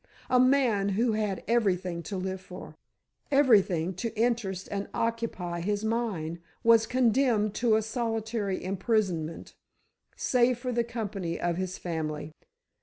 A man who had everything to live for, everything to interest and occupy his mind, was condemned to a solitary imprisonment, save for the company of his family!